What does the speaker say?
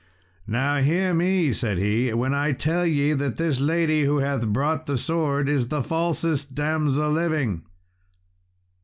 "Now hear me," said he, "when I tell ye that this lady who hath brought the sword is the falsest damsel living."